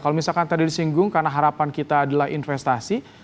kalau misalkan tadi disinggung karena harapan kita adalah investasi